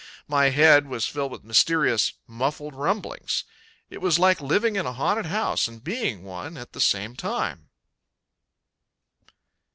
My head was filled with mysterious muffled rumblings. It was like living in a haunted house and being one at the same time.